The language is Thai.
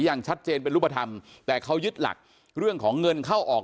อย่างชัดเจนเป็นรูปธรรมแต่เขายึดหลักเรื่องของเงินเข้าออก